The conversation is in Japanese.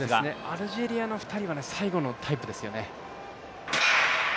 アルジェリアの２人は最後のタイプですよね。